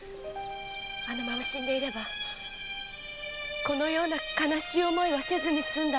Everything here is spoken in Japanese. あのまま死んでいればこのような悲しい思いをせずに済んだものを。